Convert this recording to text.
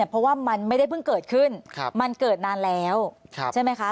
เพราะว่ามันไม่ได้เพิ่งเกิดขึ้นมันเกิดนานแล้วใช่ไหมคะ